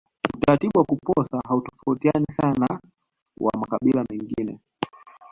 Utaratibu wa kuposa hutofautiani sana na wa makabila mengine